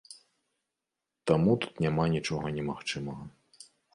Таму тут няма нічога немагчымага.